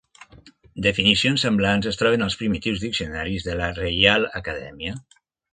Definicions semblants es troben als primitius diccionaris de la Reial Acadèmia.